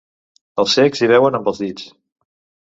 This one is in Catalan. Els cecs hi veuen amb els dits.